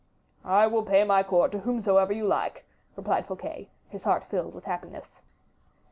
"I will pay my court to whomsoever you like," replied Fouquet, his heart filled with happiness.